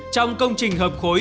trong công trình hợp khối